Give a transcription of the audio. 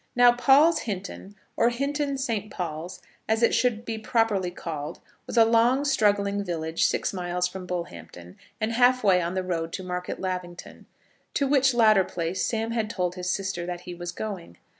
Now Paul's Hinton, or Hinton Saint Paul's as it should be properly called, was a long straggling village, six miles from Bullhampton, and half way on the road to Market Lavington, to which latter place Sam had told his sister that he was going.